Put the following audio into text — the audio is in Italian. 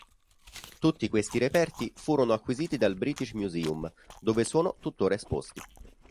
Tutti questi reperti furono acquisiti dal British Museum, dove sono tuttora esposti.